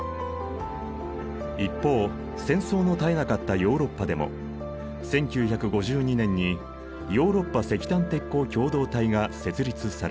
一方戦争の絶えなかったヨーロッパでも１９５２年にヨーロッパ石炭鉄鋼共同体が設立された。